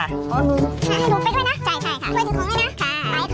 ให้ดูไปด้วยนะ